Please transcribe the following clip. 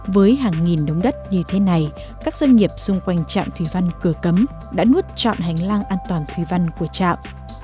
với hàng nghìn đống đất như thế này các doanh nghiệp xung quanh trạm thủy văn cửa cấm đã nuốt chọn hành lang an toàn thủy văn của trạm